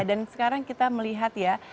dan sekarang kita melihat ya